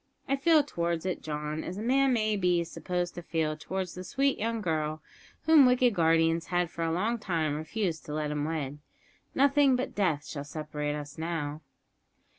I feel towards it, John, as a man may be supposed to feel towards the sweet, young girl whom wicked guardians had for a long time refused to let him wed. Nothing but death shall separate us now!"